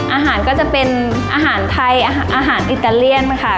อาหารก็จะเป็นอาหารไทยอาหารอิตาเลียนค่ะ